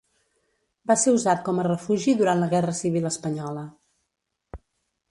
Va ser usat com a refugi durant la guerra civil espanyola.